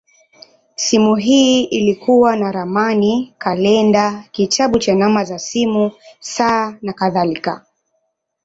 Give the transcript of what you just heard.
Simu hii ilikuwa na ramani, kalenda, kitabu cha namba za simu, saa, nakadhalika.